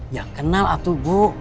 ya kenal atu bu